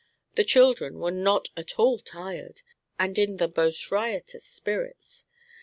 The children were not at all tired, and in the most riotous spirits.